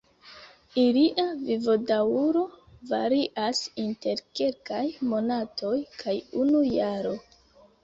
Ilia vivodaŭro varias inter kelkaj monatoj kaj unu jaro.